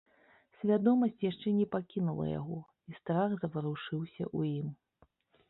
Свядомасць яшчэ не пакінула яго, і страх заварушыўся ў ім.